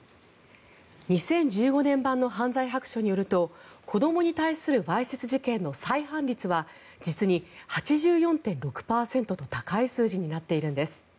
２０１５年版の犯罪白書によると子どもに対するわいせつ事件の再犯率は、実に８４．６％と高い数字になっているんです。